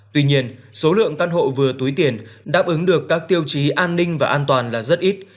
tuy nhiên số lượng căn hộ vừa túi tiền đáp ứng được các tiêu chí an ninh và an toàn là rất ít